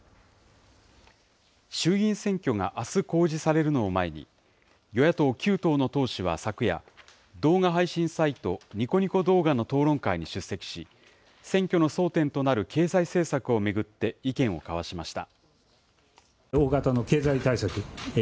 衆議院選挙があす公示されるのを前に、与野党９党の党首は昨夜、動画配信サイト、ニコニコ動画の討論会に出席し、選挙の争点となる経済政策を巡って意見を交わしました。